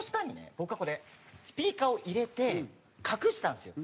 僕はこれスピーカーを入れて隠したんですよ。